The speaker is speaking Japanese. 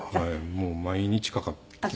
もう毎日かかってきます。